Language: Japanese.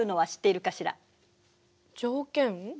条件？